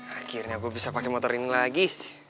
akhirnya aku bisa pakai motor ini lagi